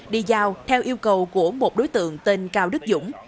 đi giao theo yêu cầu của một đối tượng tên cao đức dũng